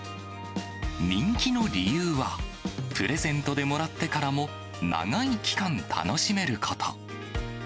人気の理由は、プレゼントでもらってからも長い期間、楽しめること。